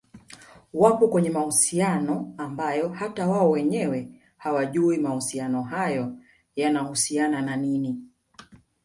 wapo kwenye mahusiano ambayo hata wao wenyewe hawajui mahusiano hayo yanahusiana na nini